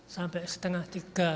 sampai setengah tiga